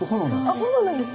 あ炎なんですか？